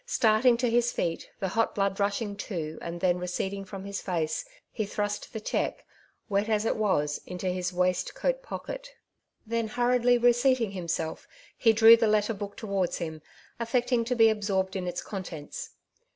Starting to his feet, the hot blood rushing to and then receding from his face, he thrust the cheque, wet as it was, into his waist coat pocket. Then hurriedly reseating himself, he drew the letter book towards him, affecting to be absorbed in its contents.